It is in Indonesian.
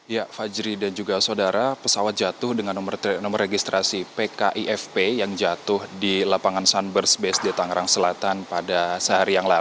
ya fajri dan juga saudara pesawat jatuh dengan nomor registrasi pkifp yang jatuh di lapangan sunburst bsd tangerang